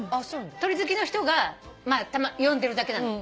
鳥好きの人が呼んでるだけなのよ。